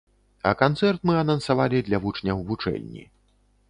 А канцэрт мы анансавалі для вучняў вучэльні.